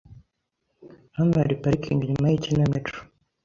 Hano hari parikingi inyuma yikinamico .